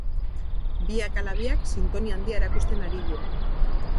Biak ala biak sintonia handia erakusten ari dira.